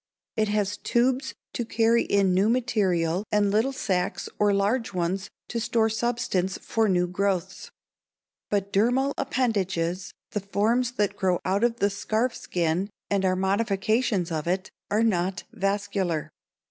It has tubes to carry in new material and little sacs or large ones to store substance for new growths. But dermal appendages, the forms that grow out of the scarf skin and are modifications of it, are not vascular.